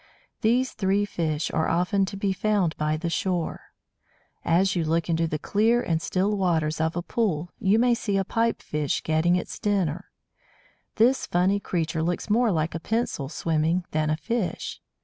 These three fish are often to be found by the shore. As you look into the clear and still waters of a pool you may see a Pipe fish getting its dinner. This funny creature looks more like a pencil swimming than a fish.